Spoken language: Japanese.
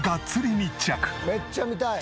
めっちゃ見たい。